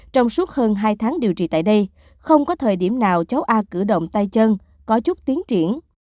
trong suốt hơn hai tháng điều trị tại đây không có thời điểm nào cháu a cử động tay chân có chút tiến triển